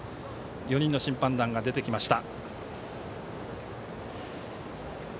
４人の審判団が出てきました。